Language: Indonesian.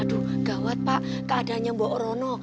aduh gawat pak keadaannya mbok rono